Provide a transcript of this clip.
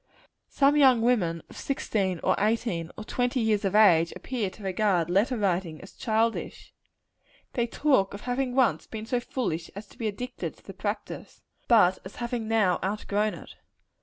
Some young women, of sixteen, or eighteen, or twenty years of age, appear to regard letter writing as childish. They talk of having once been so foolish as to be addicted to the practice; but as having now outgrown it.